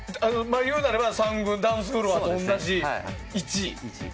言うならば３軍ダンスフロアと同じ位置。